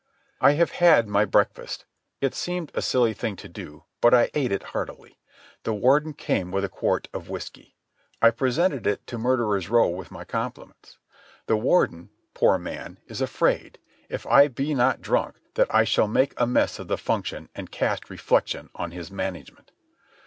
... I have had my breakfast. It seemed a silly thing to do, but I ate it heartily. The Warden came with a quart of whiskey. I presented it to Murderers Row with my compliments. The Warden, poor man, is afraid, if I be not drunk, that I shall make a mess of the function and cast reflection on his management